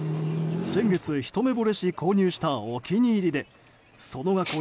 先月、ひと目ぼれし購入したお気に入りでその額